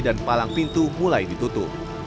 dan palang pintu mulai ditutup